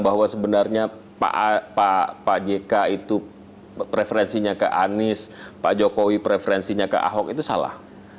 bahwa sebenarnya pak jk itu preferensinya ke anies pak jokowi preferensinya ke ahok itu salah